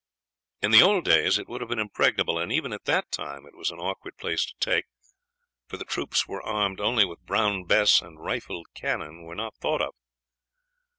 In the old days it would have been impregnable, and even at that time it was an awkward place to take, for the troops were armed only with Brown Bess, and rifled cannon were not thought of.